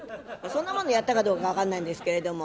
そんなものやったかどうか分かんないんですけれども